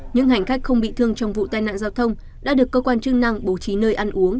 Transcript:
những hành khách không bị thương trong vụ tai nạn giao thông đã được cơ quan chức năng bố trí nơi ăn uống